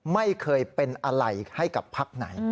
ไม่เคยเป็นอะไรให้กับพักไหน